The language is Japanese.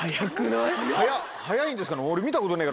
速いんですかね？